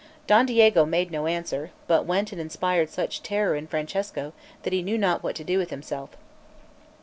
Don Diego made no answer, but went and inspired such terror in Francesco that he knew not what to do with himself.